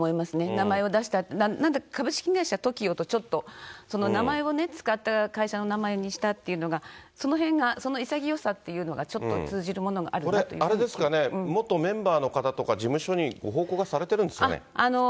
名前を出したって、株式会社ＴＯＫＩＯとちょっとその名前をね、使った会社の名前にしたっていうのがそのへんがその潔さっていうのが、ちょこれ、あれですかね、元メンバーの方とか、事務所に報告はされてるんですよね。